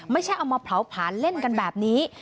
ไม่ใช่เอามาเผาผลาญเล่นกันแบบนี้